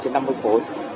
trên năm mươi phố